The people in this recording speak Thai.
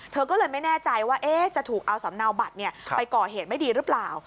เธอก็เลยไม่แน่ใจว่าจะถูกเอาสำเนาบัตรไปก่อเหตุไม่ดีหรือเปล่า